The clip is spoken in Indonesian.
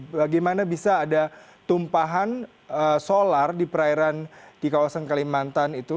bagaimana bisa ada tumpahan solar di perairan di kawasan kalimantan itu